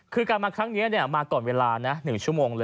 คือการมาครั้งนี้มาก่อนเวลานะ๑ชั่วโมงเลย